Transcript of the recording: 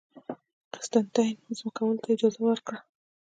قسطنطین ځمکوالو ته اجازه ورکړه